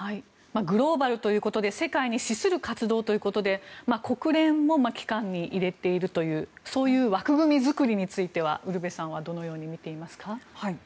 グローバルということで世界に資する活動ということで国連も機関に入れているというそういう枠組み作りについてはウルヴェさんはどう見てますか。